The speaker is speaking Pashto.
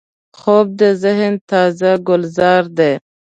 خوب د ذهن تازه ګلزار دی